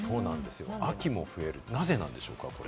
秋も増える、なぜなんでしょうか？